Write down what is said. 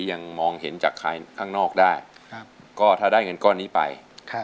ยังมองเห็นจากใครข้างนอกได้ครับก็ถ้าได้เงินก้อนนี้ไป